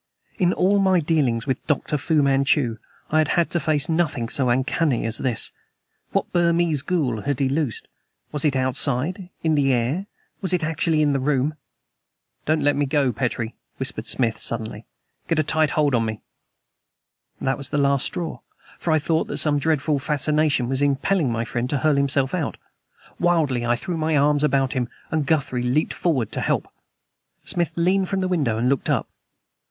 In all my dealings with Dr. Fu Manchu I had had to face nothing so uncanny as this. What Burmese ghoul had he loosed? Was it outside, in the air? Was it actually in the room? "Don't let me go, Petrie!" whispered Smith suddenly. "Get a tight hold on me!" That was the last straw; for I thought that some dreadful fascination was impelling my friend to hurl himself out! Wildly I threw my arms about him, and Guthrie leaped forward to help. Smith leaned from the window and looked up.